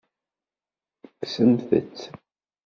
Kksemt-t.